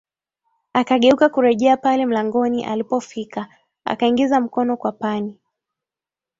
Akageuka kurejea pale mlangoni alipofika akaingiza mkono kwapani